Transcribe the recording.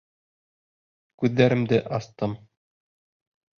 Күҙҙәремде астым...